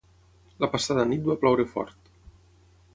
La passada nit va ploure fort.